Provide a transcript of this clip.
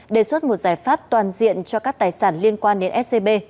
đề xuất một giải pháp toàn diện cho các tài sản liên quan đến scb